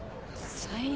最悪。